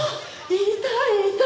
いたいた。